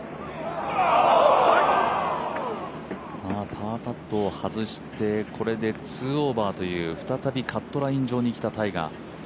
パーパットを外して、これで２オーバーという再びカットライン上にきたタイガー。